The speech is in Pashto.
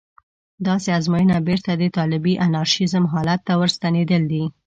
داسې ازموینه بېرته د طالبي انارشېزم حالت ته ورستنېدل دي.